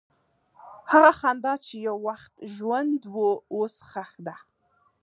هغه خندا چې یو وخت ژوند وه، اوس ښخ ده.